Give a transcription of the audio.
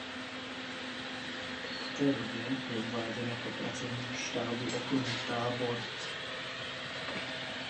V té době je uváděn jako pracovník štábu okruhu Tábor.